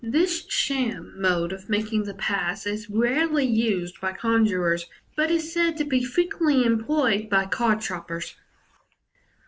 This sham mode of making the pass is rarely used by conjurors, but is said to be frequently employed by card sharpers.